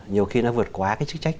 nhiều khi nó vượt qua chức trách